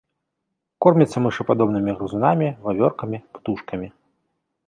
Корміцца мышападобнымі грызунамі, вавёркамі, птушкамі.